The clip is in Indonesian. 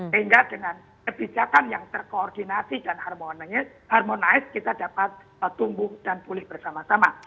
sehingga dengan kebijakan yang terkoordinasi dan harmonis kita dapat tumbuh dan pulih bersama sama